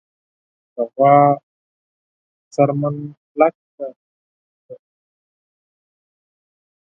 د غوا څرمن کلکه ده.